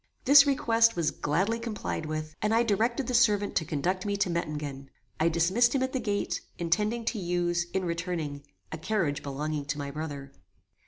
This request was gladly complied with, and I directed the servant to conduct me to Mettingen. I dismissed him at the gate, intending to use, in returning, a carriage belonging to my brother.